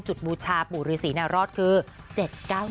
จุดประทับบูชาปู่รือศรีนารอดคือ